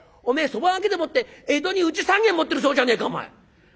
おめえそば賭けでもって江戸にうち３軒持ってるそうじゃねえかお前。